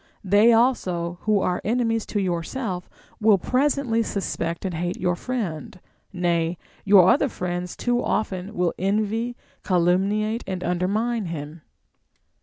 They also who are enemies to yourself will presently suspect and hate your friend ; nay, your other friends too will often envy, calumniate, and undermine him.